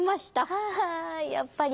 ははあやっぱり。